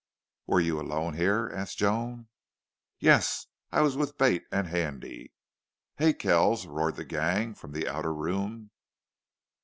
"Were you alone here?" asked Joan. "Yes. I was with Bate and Handy " "Hey, Kells!" roared the gang, from the outer room.